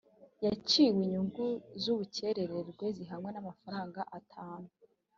yaciwe inyungu z’ubukererwe zihwanye na magana atanu